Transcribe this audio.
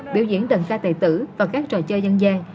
biểu diễn đần xa tệ tử và các trò chơi dân gian